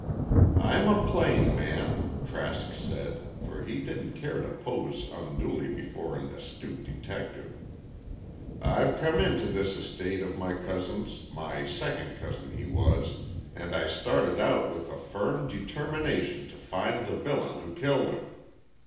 "I'm a plain man," Trask said, for he didn't care to pose unduly before an astute detective. "I've come into this estate of my cousin's—my second cousin, he was, and I started out with a firm determination to find the villain who killed him.